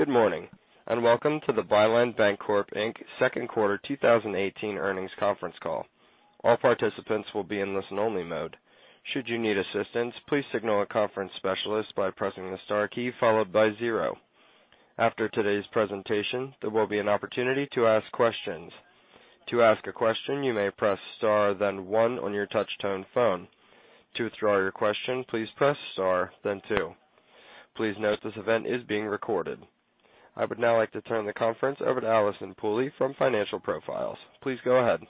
Good morning, and welcome to the Byline Bancorp, Inc. second quarter 2018 earnings conference call. All participants will be in listen only mode. Should you need assistance, please signal a conference specialist by pressing the star key followed by zero. After today's presentation, there will be an opportunity to ask questions. To ask a question, you may press star then one on your touch-tone phone. To withdraw your question, please press star then two. Please note this event is being recorded. I would now like to turn the conference over to Allison Pooley from Financial Profiles. Please go ahead.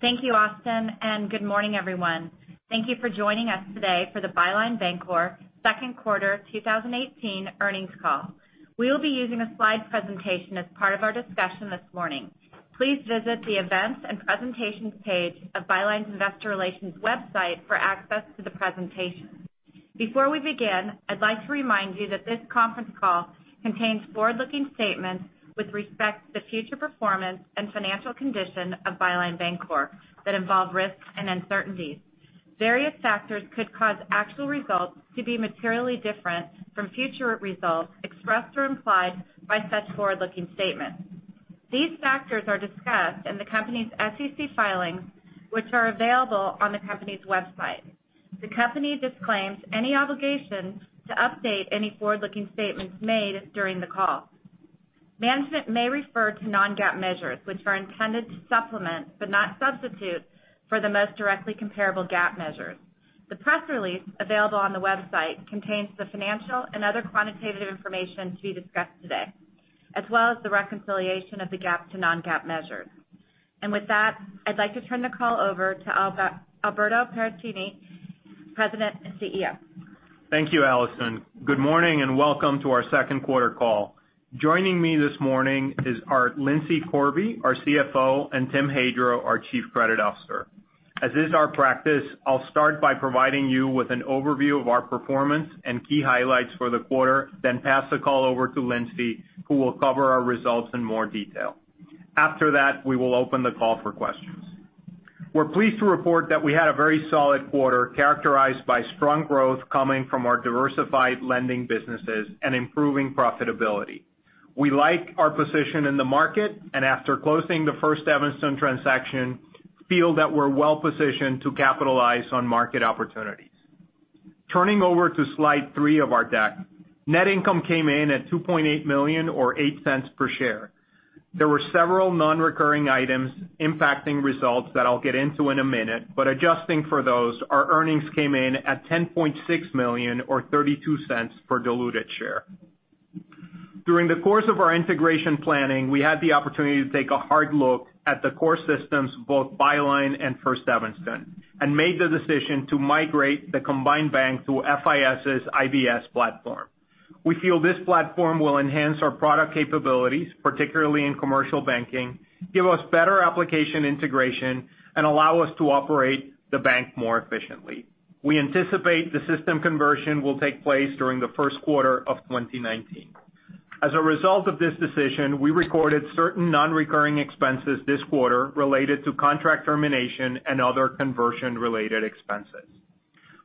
Thank you, Austin, and good morning, everyone. Thank you for joining us today for the Byline Bancorp second quarter 2018 earnings call. We will be using a slide presentation as part of our discussion this morning. Please visit the Events and Presentations page of Byline's investor relations website for access to the presentation. Before we begin, I'd like to remind you that this conference call contains forward-looking statements with respect to future performance and financial condition of Byline Bancorp that involve risks and uncertainties. Various factors could cause actual results to be materially different from future results expressed or implied by such forward-looking statements. These factors are discussed in the company's SEC filings, which are available on the company's website. The company disclaims any obligation to update any forward-looking statements made during the call. Management may refer to non-GAAP measures, which are intended to supplement, but not substitute, for the most directly comparable GAAP measures. The press release available on the website contains the financial and other quantitative information to be discussed today, as well as the reconciliation of the GAAP to non-GAAP measures. With that, I'd like to turn the call over to Alberto Paracchini, President and CEO. Thank you, Allison. Good morning and welcome to our second quarter call. Joining me this morning is Lindsay Corby, our CFO, and Tim Hadro, our Chief Credit Officer. As is our practice, I'll start by providing you with an overview of our performance and key highlights for the quarter, then pass the call over to Lindsay, who will cover our results in more detail. After that, we will open the call for questions. We're pleased to report that we had a very solid quarter characterized by strong growth coming from our diversified lending businesses and improving profitability. We like our position in the market, and after closing the First Evanston transaction, feel that we're well-positioned to capitalize on market opportunities. Turning over to slide three of our deck. Net income came in at $2.8 million, or $0.08 per share. There were several non-recurring items impacting results that I'll get into in a minute. Adjusting for those, our earnings came in at $10.6 million or $0.32 per diluted share. During the course of our integration planning, we had the opportunity to take a hard look at the core systems of both Byline and First Evanston, made the decision to migrate the combined bank to FIS's IBS platform. We feel this platform will enhance our product capabilities, particularly in commercial banking, give us better application integration, allow us to operate the bank more efficiently. We anticipate the system conversion will take place during the first quarter of 2019. As a result of this decision, we recorded certain non-recurring expenses this quarter related to contract termination and other conversion-related expenses.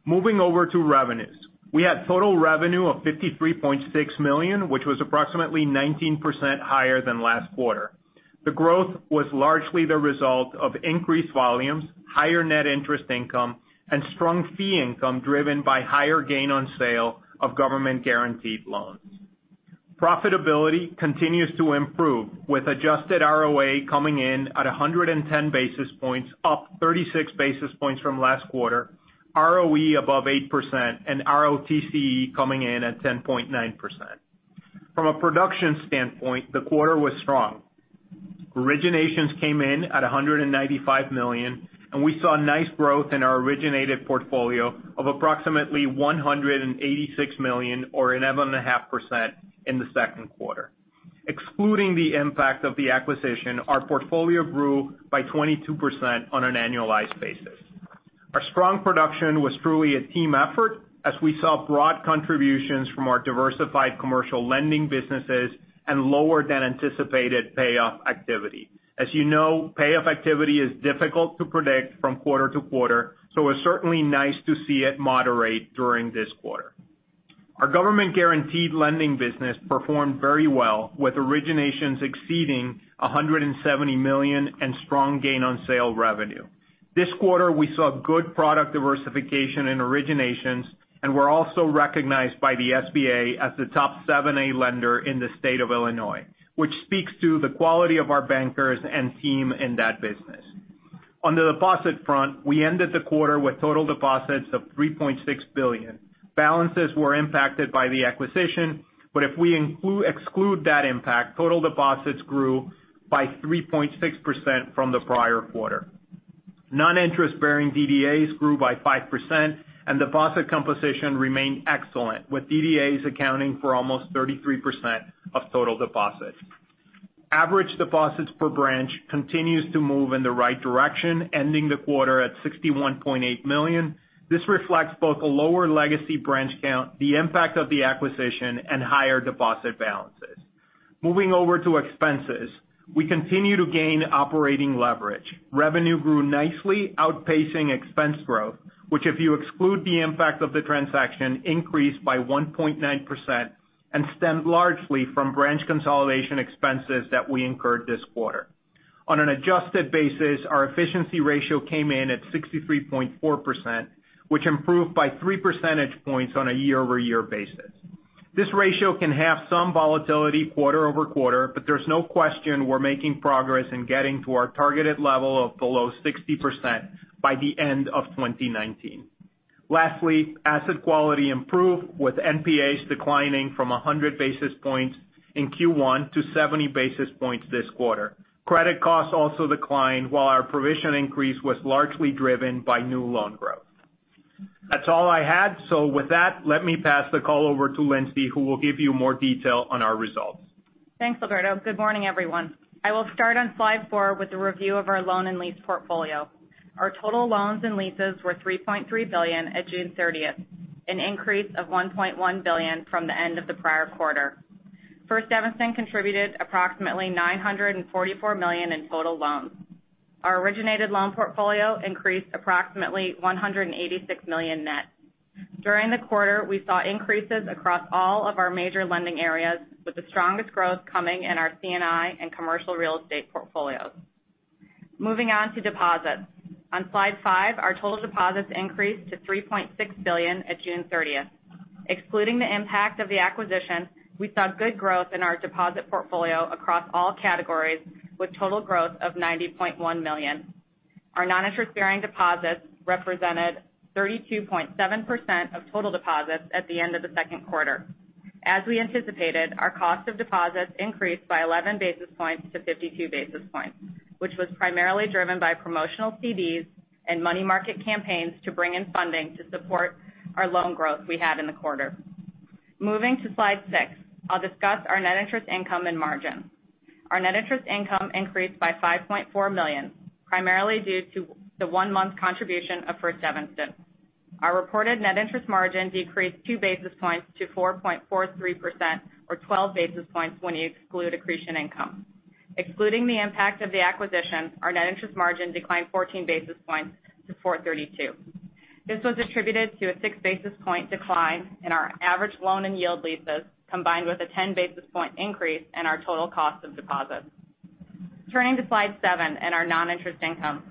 Moving over to revenues. We had total revenue of $53.6 million, which was approximately 19% higher than last quarter. The growth was largely the result of increased volumes, higher net interest income, and strong fee income driven by higher gain on sale of government-guaranteed loans. Profitability continues to improve, with adjusted ROA coming in at 110 basis points, up 36 basis points from last quarter, ROE above 8%, and ROTCE coming in at 10.9%. From a production standpoint, the quarter was strong. Originations came in at $195 million. We saw nice growth in our originated portfolio of approximately $186 million or 11.5% in the second quarter. Excluding the impact of the acquisition, our portfolio grew by 22% on an annualized basis. Our strong production was truly a team effort as we saw broad contributions from our diversified commercial lending businesses and lower than anticipated payoff activity. As you know, payoff activity is difficult to predict from quarter to quarter. It's certainly nice to see it moderate during this quarter. Our government-guaranteed lending business performed very well with originations exceeding $170 million and strong gain on sale revenue. This quarter, we saw good product diversification in originations and were also recognized by the SBA as the top 7(a) lender in the state of Illinois, which speaks to the quality of our bankers and team in that business. On the deposit front, we ended the quarter with total deposits of $3.6 billion. Balances were impacted by the acquisition. If we exclude that impact, total deposits grew by 3.6% from the prior quarter. Non-interest-bearing DDAs grew by 5%. Deposit composition remained excellent, with DDAs accounting for almost 33% of total deposits. Average deposits per branch continues to move in the right direction, ending the quarter at $61.8 million. This reflects both a lower legacy branch count, the impact of the acquisition, higher deposit balances. Moving over to expenses, we continue to gain operating leverage. Revenue grew nicely, outpacing expense growth, which if you exclude the impact of the transaction, increased by 1.9% and stemmed largely from branch consolidation expenses that we incurred this quarter. On an adjusted basis, our efficiency ratio came in at 63.4%, which improved by three percentage points on a year-over-year basis. This ratio can have some volatility quarter over quarter. There's no question we're making progress in getting to our targeted level of below 60% by the end of 2019. Lastly, asset quality improved with NPAs declining from 100 basis points in Q1 to 70 basis points this quarter. Credit costs also declined while our provision increase was largely driven by new loan growth. That's all I had. With that, let me pass the call over to Lindsay, who will give you more detail on our results. Thanks, Alberto. Good morning, everyone. I will start on slide four with a review of our loan and lease portfolio. Our total loans and leases were $3.3 billion at June 30th, an increase of $1.1 billion from the end of the prior quarter. First Evanston contributed approximately $944 million in total loans. Our originated loan portfolio increased approximately $186 million net. During the quarter, we saw increases across all of our major lending areas, with the strongest growth coming in our C&I and commercial real estate portfolios. Moving on to deposits. On slide five, our total deposits increased to $3.6 billion at June 30th. Excluding the impact of the acquisition, we saw good growth in our deposit portfolio across all categories, with total growth of $90.1 million. Our non-interest-bearing deposits represented 32.7% of total deposits at the end of the second quarter. As we anticipated, our cost of deposits increased by 11 basis points to 52 basis points, which was primarily driven by promotional CDs and money market campaigns to bring in funding to support our loan growth we had in the quarter. Moving to slide six, I'll discuss our net interest income and margin. Our net interest income increased by $5.4 million, primarily due to the one-month contribution of First Evanston. Our reported net interest margin decreased two basis points to 4.43%, or 12 basis points when you exclude accretion income. Excluding the impact of the acquisition, our net interest margin declined 14 basis points to 4.32%. This was attributed to a six basis point decline in our average loan and yield leases, combined with a ten basis point increase in our total cost of deposits. Turning to slide seven and our non-interest income.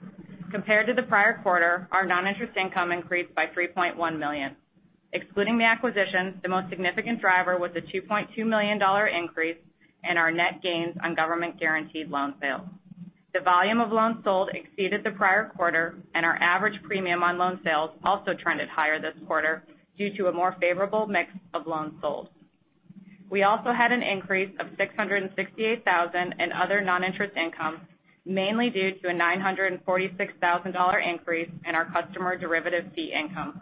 Compared to the prior quarter, our non-interest income increased by $3.1 million. Excluding the acquisitions, the most significant driver was a $2.2 million increase in our net gains on government-guaranteed loan sales. The volume of loans sold exceeded the prior quarter, and our average premium on loan sales also trended higher this quarter due to a more favorable mix of loans sold. We also had an increase of $668,000 in other non-interest income, mainly due to a $946,000 increase in our customer derivative fee income.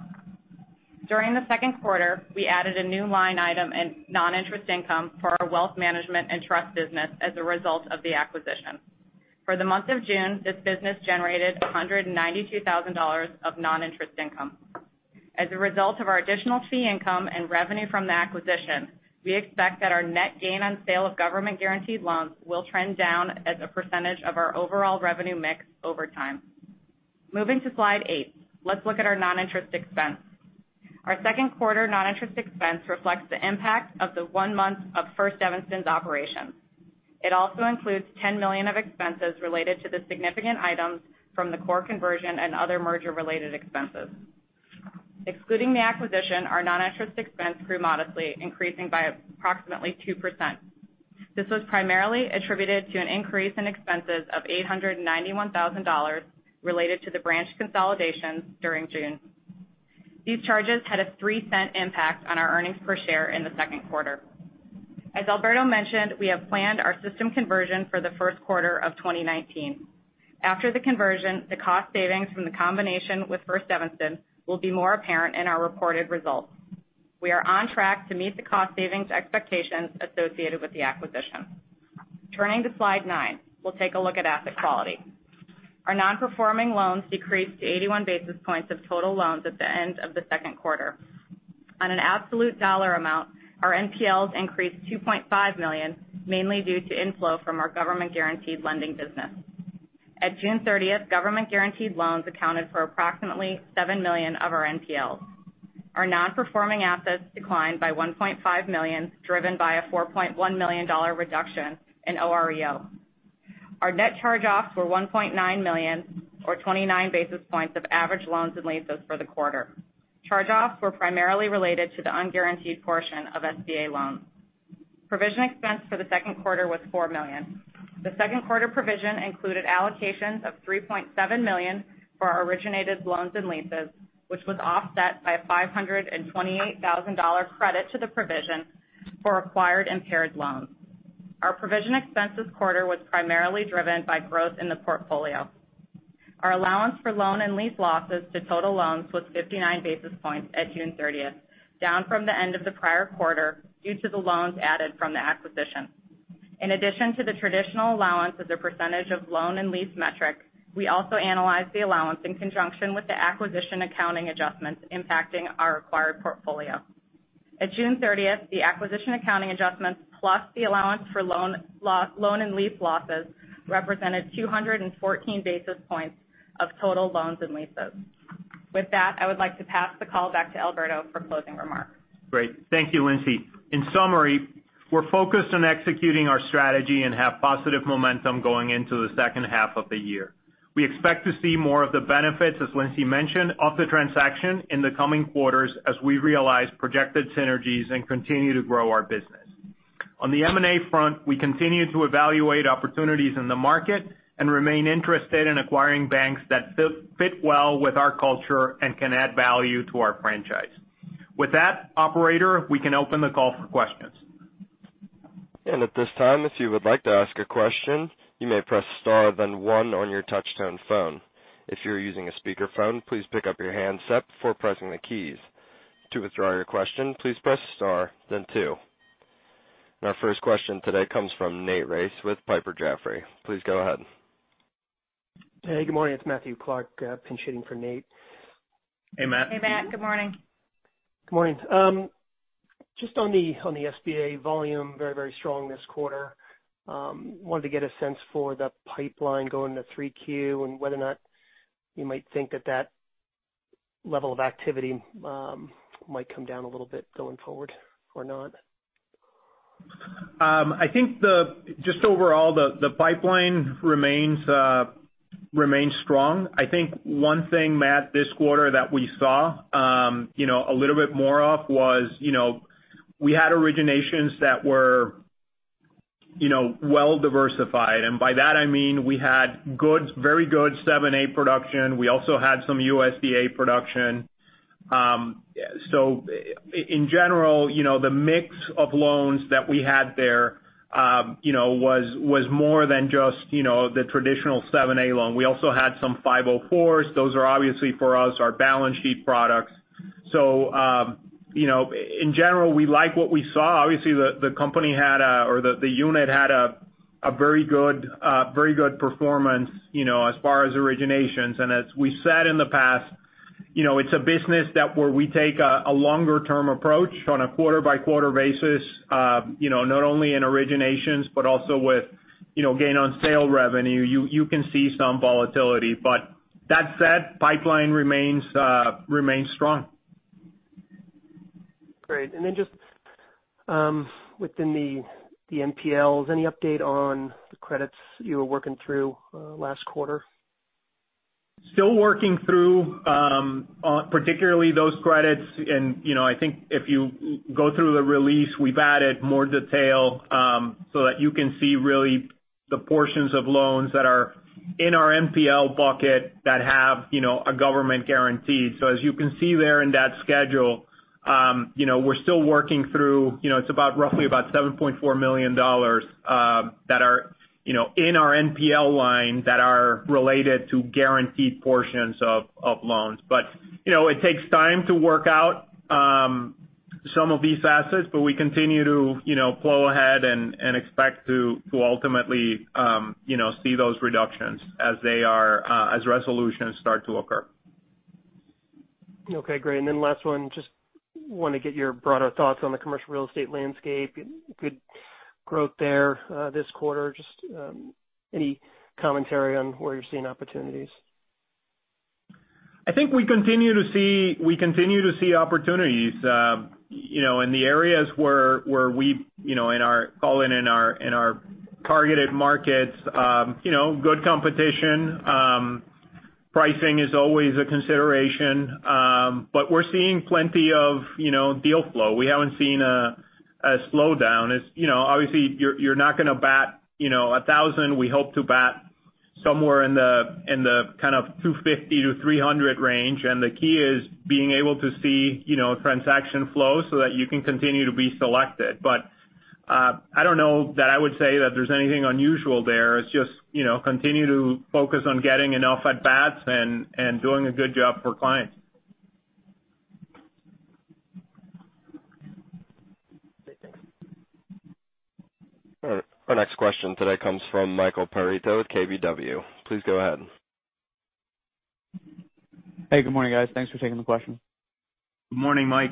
During the second quarter, we added a new line item in non-interest income for our wealth management and trust business as a result of the acquisition. For the month of June, this business generated $192,000 of non-interest income. As a result of our additional fee income and revenue from the acquisition, we expect that our net gain on sale of government-guaranteed loans will trend down as a percentage of our overall revenue mix over time. Moving to slide eight, let's look at our non-interest expense. Our second quarter non-interest expense reflects the impact of the one month of First Evanston's operations. It also includes $10 million of expenses related to the significant items from the core conversion and other merger-related expenses. Excluding the acquisition, our non-interest expense grew modestly, increasing by approximately 2%. This was primarily attributed to an increase in expenses of $891,000 related to the branch consolidations during June. These charges had a $0.03 impact on our earnings per share in the second quarter. As Alberto mentioned, we have planned our system conversion for the first quarter of 2019. After the conversion, the cost savings from the combination with First Evanston will be more apparent in our reported results. We are on track to meet the cost savings expectations associated with the acquisition. Turning to slide nine, we'll take a look at asset quality. Our non-performing loans decreased to 81 basis points of total loans at the end of the second quarter. On an absolute dollar amount, our NPLs increased $2.5 million, mainly due to inflow from our government-guaranteed lending business. At June 30th, government-guaranteed loans accounted for approximately $7 million of our NPLs. Our non-performing assets declined by $1.5 million, driven by a $4.1 million reduction in OREO. Our net charge-offs were $1.9 million, or 29 basis points of average loans and leases for the quarter. Charge-offs were primarily related to the unguaranteed portion of SBA loans. Provision expense for the second quarter was $4 million. The second quarter provision included allocations of $3.7 million for our originated loans and leases, which was offset by a $528,000 credit to the provision for acquired impaired loans. Our provision expense this quarter was primarily driven by growth in the portfolio. Our allowance for loan and lease losses to total loans was 59 basis points at June 30th, down from the end of the prior quarter due to the loans added from the acquisition. In addition to the traditional allowance as a percentage of loan and lease metrics, we also analyzed the allowance in conjunction with the acquisition accounting adjustments impacting our acquired portfolio. At June 30th, the acquisition accounting adjustments, plus the allowance for loan and lease losses, represented 214 basis points of total loans and leases. With that, I would like to pass the call back to Alberto for closing remarks. Great. Thank you, Lindsay. In summary, we're focused on executing our strategy and have positive momentum going into the second half of the year. We expect to see more of the benefits, as Lindsay mentioned, of the transaction in the coming quarters as we realize projected synergies and continue to grow our business. On the M&A front, we continue to evaluate opportunities in the market and remain interested in acquiring banks that fit well with our culture and can add value to our franchise. With that, operator, we can open the call for questions. At this time, if you would like to ask a question, you may press star, then one on your touch-tone phone. If you're using a speakerphone, please pick up your handset before pressing the keys. To withdraw your question, please press star then two. Our first question today comes from Nathan Race with Piper Jaffray. Please go ahead. Hey, good morning. It's Matthew Clark, pinch-hitting for Nate. Hey, Matt. Hey, Matt. Good morning. Good morning. Just on the SBA volume, very strong this quarter. I wanted to get a sense for the pipeline going to 3Q and whether or not you might think that level of activity might come down a little bit going forward or not. I think just overall, the pipeline remains strong. I think one thing, Matt, this quarter that we saw a little bit more of was we had originations that were well-diversified. By that I mean we had very good 7(a) production. We also had some USDA production. In general, the mix of loans that we had there was more than just the traditional 7(a) loan. We also had some 504s. Those are obviously for us, our balance sheet products. In general, we like what we saw. Obviously, the company had, or the unit had a very good performance as far as originations. As we said in the past, it's a business that where we take a longer-term approach on a quarter-by-quarter basis, not only in originations, but also with gain on sale revenue. You can see some volatility. That said, pipeline remains strong. Great. Just within the NPLs, any update on the credits you were working through last quarter? Still working through particularly those credits. I think if you go through the release, we've added more detail so that you can see really the portions of loans that are in our NPL bucket that have a government guarantee. As you can see there in that schedule, we're still working through roughly about $7.4 million that are in our NPL line that are related to guaranteed portions of loans. It takes time to work out some of these assets. We continue to plow ahead and expect to ultimately see those reductions as resolutions start to occur. Okay, great. Last one, just want to get your broader thoughts on the commercial real estate landscape. Good growth there this quarter. Any commentary on where you're seeing opportunities? I think we continue to see opportunities in the areas where we call it in our targeted markets. Good competition. Pricing is always a consideration. We're seeing plenty of deal flow. We haven't seen a slowdown. Obviously you're not going to bat 1,000. We hope to bat somewhere in the kind of 250 to 300 range, and the key is being able to see transaction flow so that you can continue to be selected. I don't know that I would say that there's anything unusual there. It's just continue to focus on getting enough at bats and doing a good job for clients. Okay, thanks. Our next question today comes from Michael Perito with KBW. Please go ahead. Hey, good morning, guys. Thanks for taking the question. Good morning, Mike.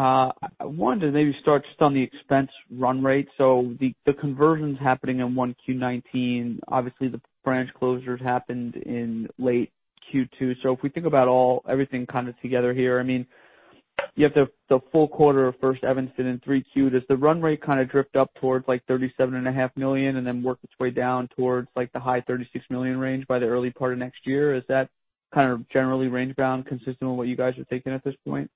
I wanted to maybe start just on the expense run rate. The conversion's happening in 1Q 2019. Obviously, the branch closures happened in late Q2. If we think about everything kind of together here, you have the full quarter of First Evanston in Q3. Does the run rate kind of drift up towards like $37.5 million and then work its way down towards like the high $36 million range by the early part of next year? Is that kind of generally range-bound consistent with what you guys are thinking at this point?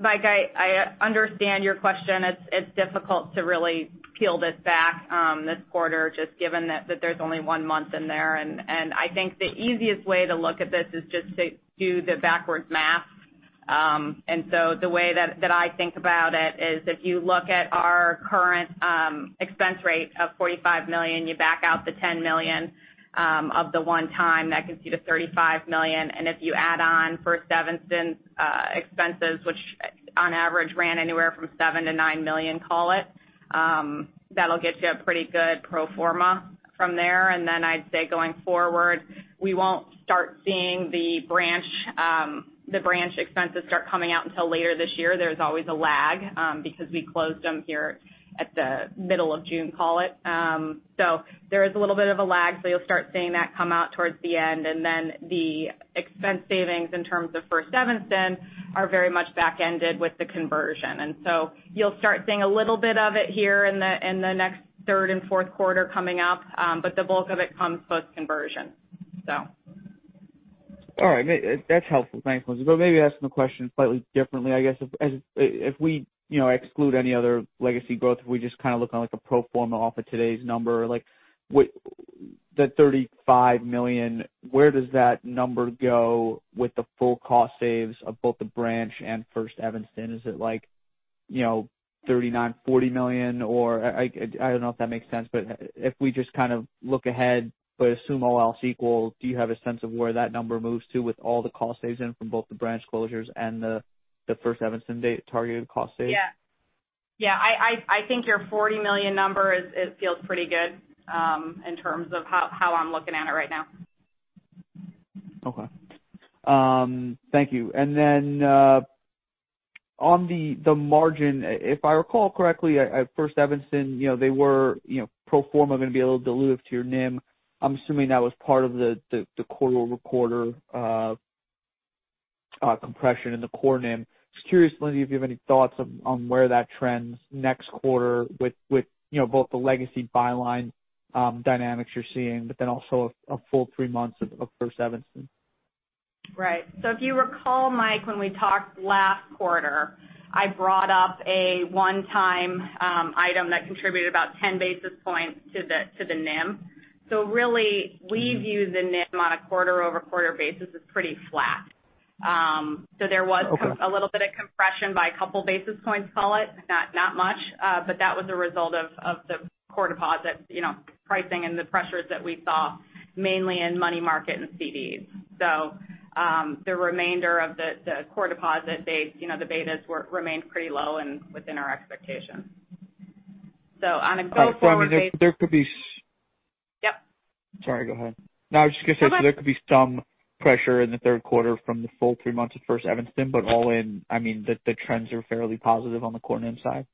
Mike, I understand your question. It's difficult to really peel this back this quarter, just given that there's only one month in there. I think the easiest way to look at this is just to do the backwards math. The way that I think about it is if you look at our current expense rate of $45 million, you back out the $10 million of the one time, that gets you to $35 million. If you add on First Evanston's expenses, which On average, ran anywhere from $7 million-$9 million call it. That'll get you a pretty good pro forma from there. Then I'd say going forward, we won't start seeing the branch expenses start coming out until later this year. There's always a lag because we closed them here at the middle of June call it. There is a little bit of a lag. You'll start seeing that come out towards the end. The expense savings in terms of First Evanston are very much back-ended with the conversion. You'll start seeing a little bit of it here in the next third and fourth quarter coming up. The bulk of it comes post-conversion. All right. That's helpful. Thanks, Lindsay. Maybe asking the question slightly differently, I guess. If we exclude any other legacy growth, if we just kind of look on like a pro forma off of today's number, like with the $35 million, where does that number go with the full cost saves of both the branch and First Evanston? Is it like $39 million, $40 million, or I don't know if that makes sense. If we just kind of look ahead but assume all else equal, do you have a sense of where that number moves to with all the cost saves in from both the branch closures and the First Evanston targeted cost saves? Yeah. I think your $40 million number feels pretty good in terms of how I'm looking at it right now. Okay. Thank you. On the margin, if I recall correctly, at First Evanston, they were pro forma, going to be a little dilutive to your NIM. I'm assuming that was part of the quarter-over-quarter compression in the core NIM. Just curious, Lindsay, if you have any thoughts on where that trends next quarter with both the legacy Byline dynamics you're seeing, but then also a full three months of First Evanston. Right. If you recall, Mike, when we talked last quarter, I brought up a one-time item that contributed about 10 basis points to the NIM. Really, we view the NIM on a quarter-over-quarter basis as pretty flat. Okay. There was a little bit of compression by a couple basis points call it, not much. That was a result of the core deposit pricing and the pressures that we saw mainly in money market and CDs. The remainder of the core deposit betas remained pretty low and within our expectations. On a go-forward basis There could be Yep. Sorry, go ahead. No, go ahead. There could be some pressure in the third quarter from the full three months of First Evanston, but all in, I mean, the trends are fairly positive on the core NIM side?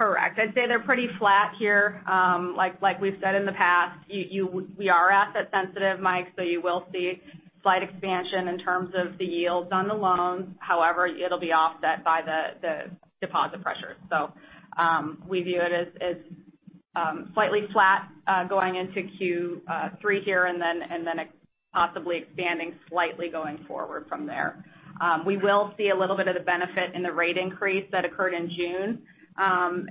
Correct. I'd say they're pretty flat here. Like we've said in the past, we are asset sensitive, Mike, you will see slight expansion in terms of the yields on the loans. However, it'll be offset by the deposit pressures. We view it as slightly flat going into Q3 here and then possibly expanding slightly going forward from there. We will see a little bit of the benefit in the rate increase that occurred in June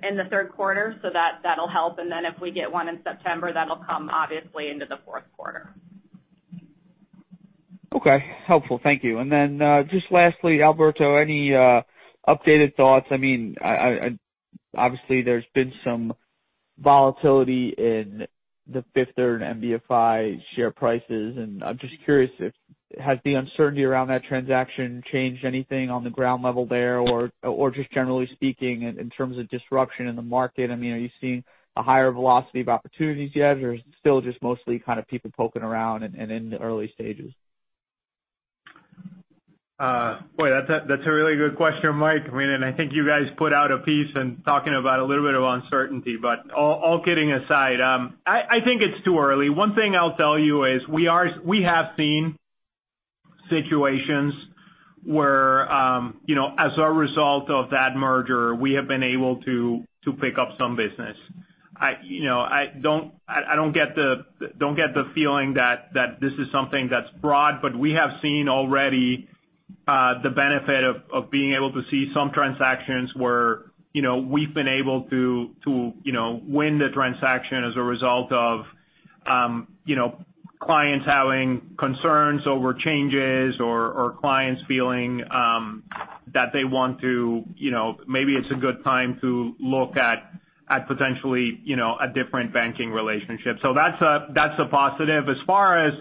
in the third quarter, that'll help. Then if we get one in September, that'll come obviously into the fourth quarter. Okay. Helpful. Thank you. Then, just lastly, Alberto, any updated thoughts? Obviously there's been some volatility in the Fifth Third and MBFI share prices, I'm just curious if, has the uncertainty around that transaction changed anything on the ground level there, or just generally speaking in terms of disruption in the market? Are you seeing a higher velocity of opportunities yet, or is it still just mostly kind of people poking around and in the early stages? Boy, that's a really good question, Mike. I think you guys put out a piece talking about a little bit of uncertainty, but all kidding aside, I think it's too early. One thing I'll tell you is we have seen situations where as a result of that merger, we have been able to pick up some business. I don't get the feeling that this is something that's broad, but we have seen already the benefit of being able to see some transactions where we've been able to win the transaction as a result of clients having concerns over changes or clients feeling that maybe it's a good time to look at potentially a different banking relationship. That's a positive. As far as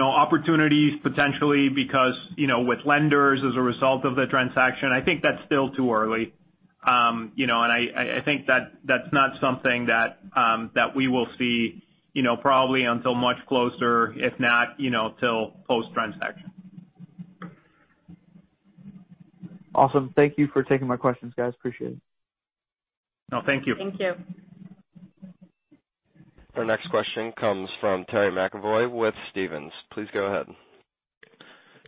opportunities potentially because with lenders as a result of the transaction, I think that's still too early. I think that's not something that we will see probably until much closer, if not till post-transaction. Awesome. Thank you for taking my questions, guys. Appreciate it. No, thank you. Thank you. Our next question comes from Terry McEvoy with Stephens. Please go ahead.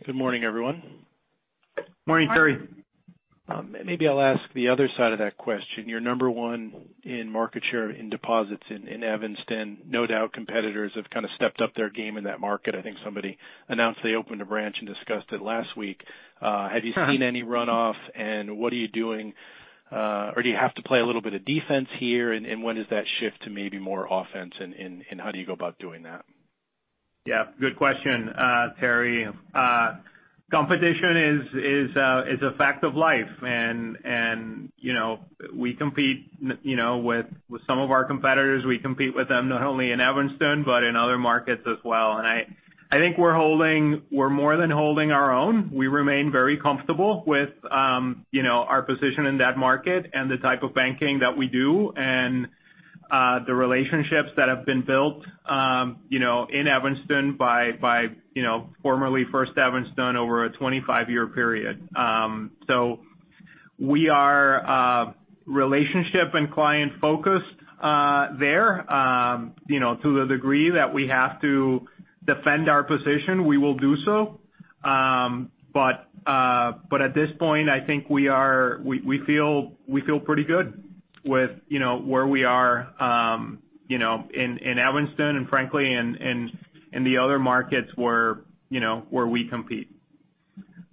Good morning, everyone. Morning, Terry. Morning. Maybe I'll ask the other side of that question. You're number one in market share in deposits in Evanston. No doubt competitors have kind of stepped up their game in that market. I think somebody announced they opened a branch and discussed it last week. Have you seen any runoff, and what are you doing? Do you have to play a little bit of defense here, and when does that shift to maybe more offense, and how do you go about doing that? Yeah, good question, Terry. Competition is a fact of life, and we compete with some of our competitors. We compete with them not only in Evanston but in other markets as well. I think we're more than holding our own. We remain very comfortable with our position in that market and the type of banking that we do and the relationships that have been built in Evanston by formerly First Evanston over a 25-year period. We are relationship and client-focused there. To the degree that we have to defend our position, we will do so. At this point, I think we feel pretty good with where we are in Evanston and frankly, in the other markets where we compete.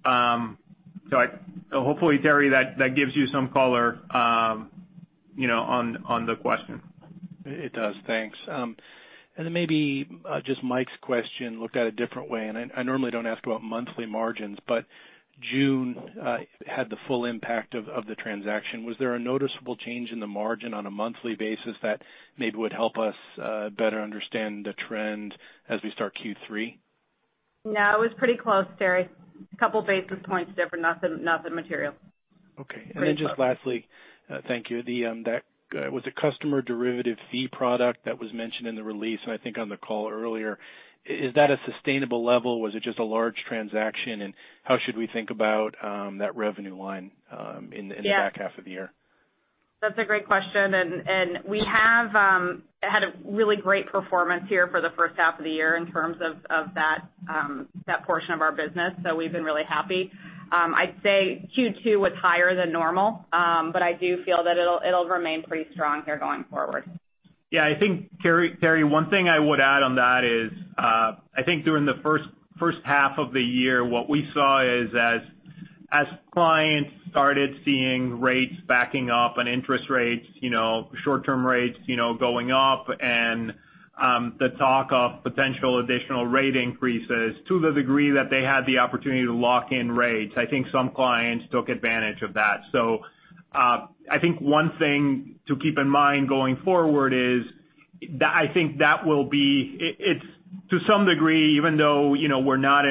Hopefully, Terry, that gives you some color on the question. It does. Thanks. Then maybe just Mike's question looked at a different way, and I normally don't ask about monthly margins, but June had the full impact of the transaction. Was there a noticeable change in the margin on a monthly basis that maybe would help us better understand the trend as we start Q3? No, it was pretty close, Terry. A couple basis points different. Nothing material. Okay. Pretty close. Just lastly. Thank you. Was the customer derivative fee product that was mentioned in the release, and I think on the call earlier, is that a sustainable level? Was it just a large transaction? How should we think about that revenue line in the back half of the year? That's a great question. We have had a really great performance here for the first half of the year in terms of that portion of our business. We've been really happy. I'd say Q2 was higher than normal. I do feel that it'll remain pretty strong here going forward. Terry, one thing I would add on that is I think during the first half of the year, what we saw is as clients started seeing rates backing off and interest rates, short-term rates going up and the talk of potential additional rate increases to the degree that they had the opportunity to lock in rates. I think some clients took advantage of that. I think one thing to keep in mind going forward is it's to some degree, even though we're not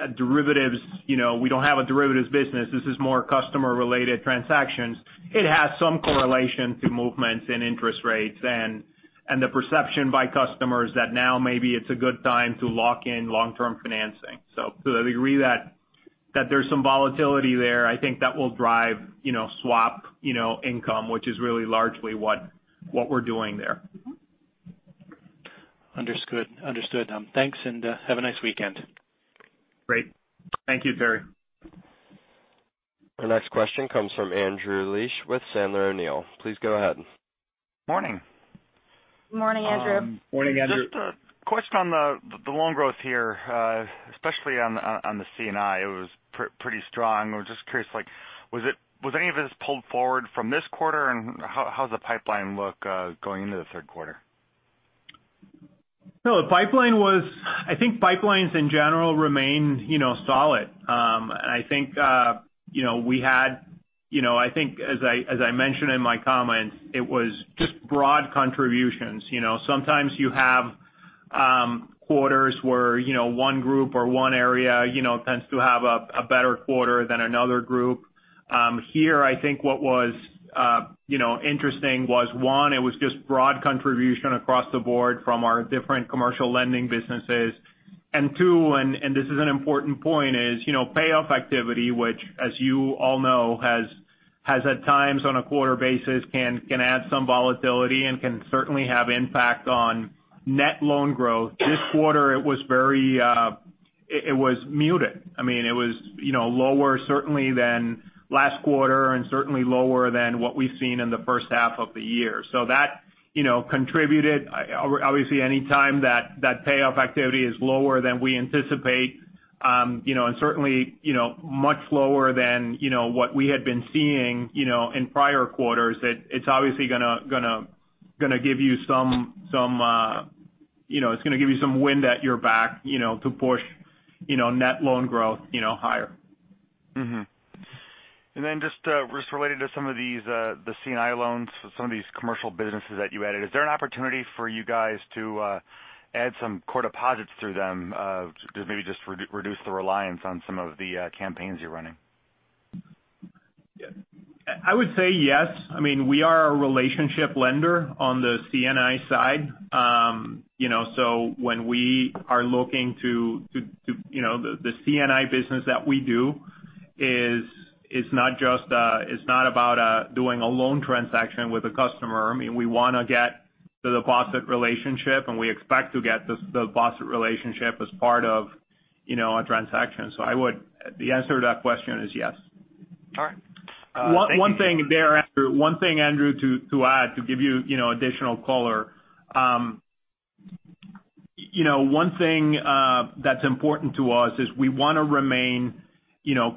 a derivatives business. This is more customer-related transactions. It has some correlation to movements in interest rates and the perception by customers that now maybe it's a good time to lock in long-term financing. To the degree that there's some volatility there, I think that will drive swap income, which is really largely what we're doing there. Understood. Thanks. Have a nice weekend. Great. Thank you, Terry. The next question comes from Andrew Liesch with Sandler O'Neill. Please go ahead. Morning. Morning, Andrew. Morning, Andrew. Just a question on the loan growth here, especially on the C&I. It was pretty strong. I was just curious, was any of this pulled forward from this quarter, and how's the pipeline look going into the third quarter? I think pipelines in general remain solid. I think as I mentioned in my comments, it was just broad contributions. Sometimes you have quarters where one group or one area tends to have a better quarter than another group. Here, I think what was interesting was, one, it was just broad contribution across the board from our different commercial lending businesses. Two, and this is an important point, is payoff activity, which as you all know, has at times on a quarter basis can add some volatility and can certainly have impact on net loan growth. This quarter it was muted. It was lower certainly than last quarter and certainly lower than what we've seen in the first half of the year. That contributed. Obviously, any time that payoff activity is lower than we anticipate, and certainly much lower than what we had been seeing in prior quarters, it's obviously going to give you some wind at your back to push net loan growth higher. Mm-hmm. Just related to some of these the C&I loans, some of these commercial businesses that you added. Is there an opportunity for you guys to add some core deposits through them to maybe just reduce the reliance on some of the campaigns you're running? I would say yes. We are a relationship lender on the C&I side. When we are looking to the C&I business that we do is it's not about doing a loan transaction with a customer. We want to get the deposit relationship, and we expect to get the deposit relationship as part of a transaction. The answer to that question is yes. All right. Thank you. One thing, Andrew, to add to give you additional color. One thing that's important to us is we want to remain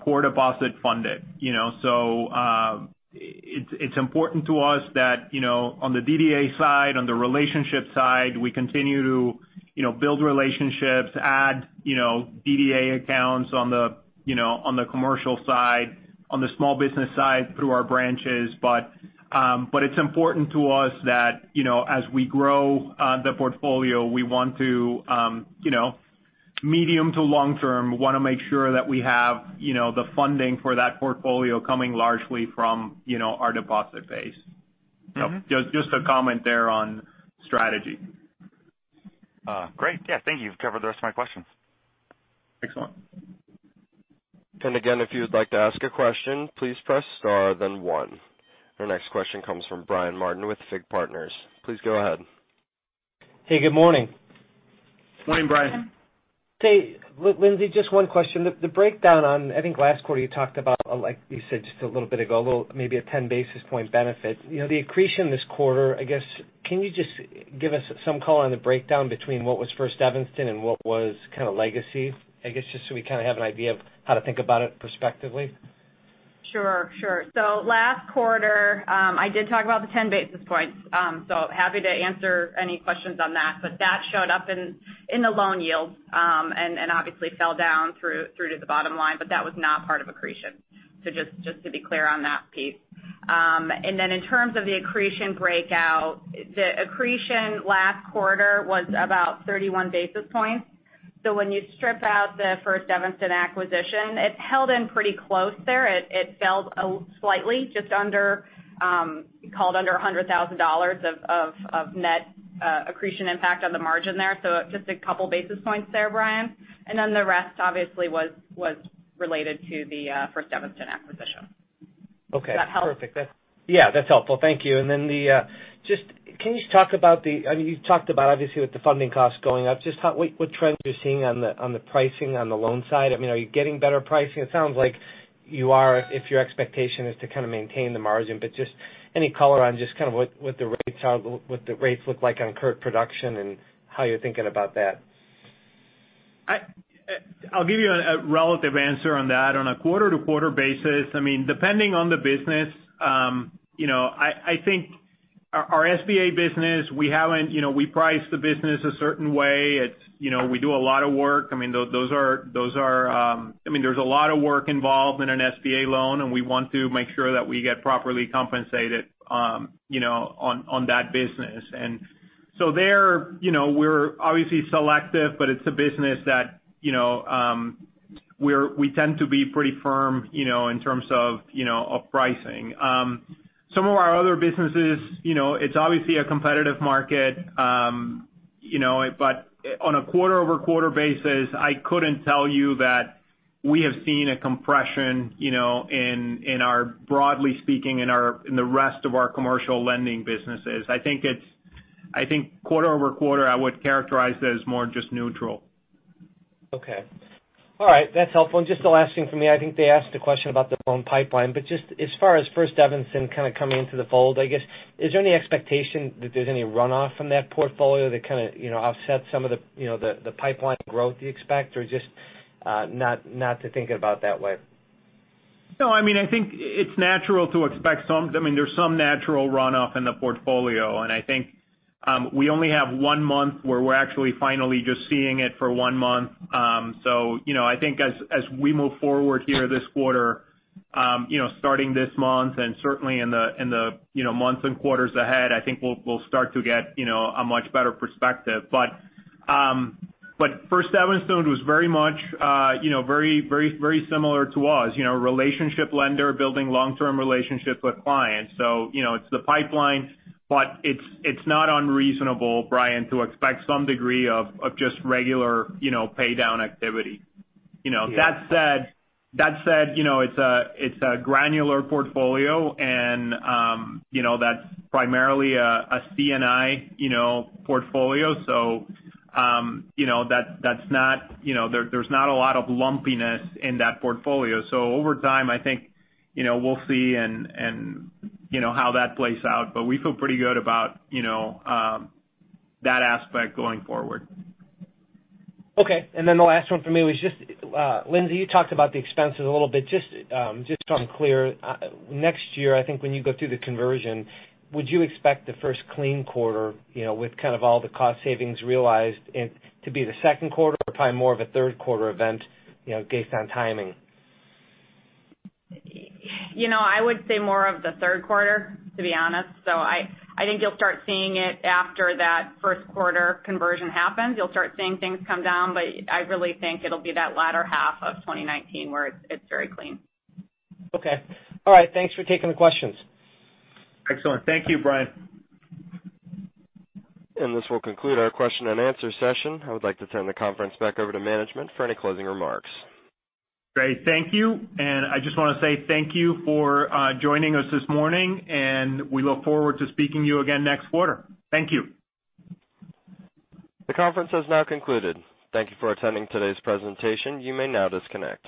core deposit funded. It's important to us that on the DDA side, on the relationship side, we continue to build relationships, add DDA accounts on the commercial side, on the small business side through our branches. It's important to us that as we grow the portfolio, Medium to long term, we want to make sure that we have the funding for that portfolio coming largely from our deposit base. Just a comment there on strategy. Great. Yeah, thank you. You've covered the rest of my questions. Excellent. Again, if you would like to ask a question, please press star then one. Your next question comes from Brian Martin with FIG Partners. Please go ahead. Hey, good morning. Morning, Brian. Say, Lindsay, just one question. The breakdown on, I think last quarter you talked about, like you said just a little bit ago, maybe a 10 basis point benefit. The accretion this quarter, I guess, can you just give us some color on the breakdown between what was First Evanston and what was kind of legacy? I guess just so we kind of have an idea of how to think about it perspectively. Sure. Last quarter, I did talk about the 10 basis points. Happy to answer any questions on that, but that showed up in the loan yields, and obviously fell down through to the bottom line. That was not part of accretion, so just to be clear on that piece. In terms of the accretion breakout, the accretion last quarter was about 31 basis points. When you strip out the First Evanston acquisition, it held in pretty close there. It fell slightly, just called under $100,000 of net accretion impact on the margin there. Just a couple basis points there, Brian. The rest obviously was related to the First Evanston acquisition. Okay. Does that help? Then just can you talk about the— I mean, you've talked about obviously with the funding costs going up, just what trends are you seeing on the pricing on the loan side? I mean, are you getting better pricing? It sounds like you are if your expectation is to kind of maintain the margin. Just any color on just kind of what the rates look like on current production and how you're thinking about that. I'll give you a relative answer on that. On a quarter-to-quarter basis, depending on the business, I think our SBA business, we price the business a certain way. We do a lot of work. There's a lot of work involved in an SBA loan, and we want to make sure that we get properly compensated on that business. There, we're obviously selective, but it's a business that we tend to be pretty firm in terms of pricing. Some of our other businesses, it's obviously a competitive market. On a quarter-over-quarter basis, I couldn't tell you that we have seen a compression broadly speaking in the rest of our commercial lending businesses. I think quarter-over-quarter, I would characterize it as more just neutral. Okay. All right. That's helpful. Just the last thing from me, I think they asked a question about the loan pipeline, just as far as First Evanston kind of coming into the fold, I guess, is there any expectation that there's any runoff from that portfolio that kind of offset some of the pipeline growth you expect, or just not to think about that way? No, I think it's natural to expect some. There's some natural runoff in the portfolio, and I think we only have one month where we're actually finally just seeing it for one month. I think as we move forward here this quarter, starting this month and certainly in the months and quarters ahead, I think we'll start to get a much better perspective. First Evanston was very similar to us. Relationship lender building long-term relationships with clients. It's the pipeline, but it's not unreasonable, Brian, to expect some degree of just regular pay down activity. Yeah. That said, it's a granular portfolio, and that's primarily a C&I portfolio. There's not a lot of lumpiness in that portfolio. Over time, I think we'll see how that plays out. We feel pretty good about that aspect going forward. Okay. The last one for me was just, Lindsay, you talked about the expenses a little bit. Just so I'm clear. Next year, I think when you go through the conversion, would you expect the first clean quarter with kind of all the cost savings realized to be the second quarter or probably more of a third quarter event based on timing? I would say more of the third quarter, to be honest. I think you'll start seeing it after that first quarter conversion happens. You'll start seeing things come down. I really think it'll be that latter half of 2019 where it's very clean. Okay. All right. Thanks for taking the questions. Excellent. Thank you, Brian. This will conclude our question and answer session. I would like to turn the conference back over to management for any closing remarks. Great. Thank you. I just want to say thank you for joining us this morning, and we look forward to speaking to you again next quarter. Thank you. The conference has now concluded. Thank you for attending today's presentation. You may now disconnect.